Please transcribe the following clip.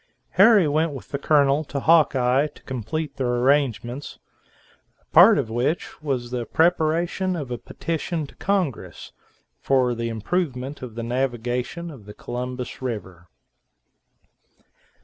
Harry went with the Colonel to Hawkeye to complete their arrangements, a part of which was the preparation of a petition to congress for the improvement of the navigation of Columbus River.